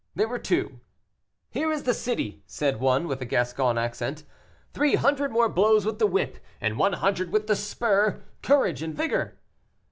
There were two. "Here is the city," said one, with a Gascon accent; "three hundred more blows with the whip, and one hundred with the spur; courage and vigor!"